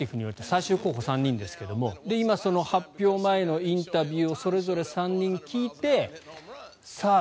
最終候補が３人ですが今、発表前のインタビューをそれぞれ３人聞いてさあ